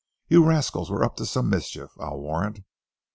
You rascals were up to some mischief, I'll warrant."